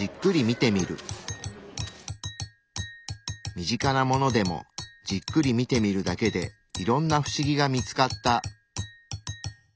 身近なものでもじっくり見てみるだけでいろんな不思議が見つかった。